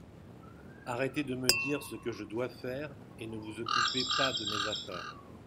Arrêtez de me dire ce que je dois faire et ne vous occupez pas de mes affaires.